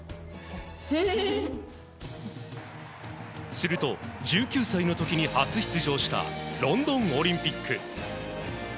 すると１９歳の時に初出場したロンドンオリンピック。